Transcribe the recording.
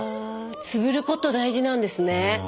つぶること大事なんですね。